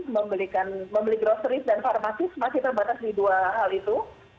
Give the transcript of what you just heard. membeli groceris dan farmatif masih terbatas di dua hal itu